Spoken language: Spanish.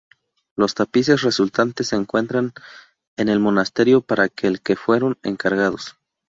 Los tapices resultantes se encuentran en el monasterio para el que fueron encargados.